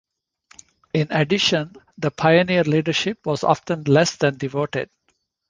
In addition, the Pioneer leadership was often less than devoted.